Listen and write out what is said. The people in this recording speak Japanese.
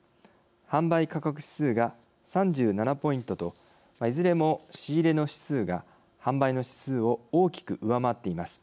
販売価格指数が３７ポイントといずれも仕入れの指数が販売の指数を大きく上回っています。